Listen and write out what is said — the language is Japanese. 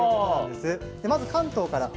でまず関東から。